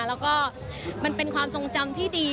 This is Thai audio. แล้วก็มันเป็นความทรงจำที่ดี